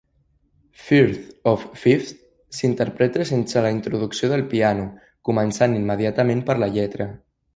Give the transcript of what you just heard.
"Firth of Fifth" s'interpreta sense la introducció del piano, començant immediatament per la lletra.